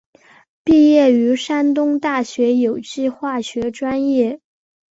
毕业于山东大学有机化学专业。